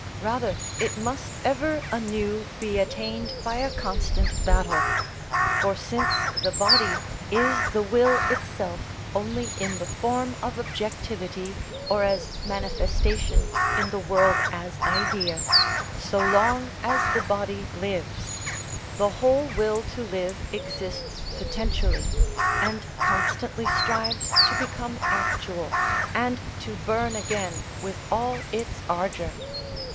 Rather, it must ever anew be attained by a constant battle. For since the body is the will itself only in the form of objectivity or as manifestation in the world as idea, so long as the body lives, the whole will to live exists potentially, and constantly strives to become actual, and to burn again with all its ardour.